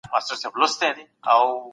موږ نه پرېږدو چي احتکار عام سي.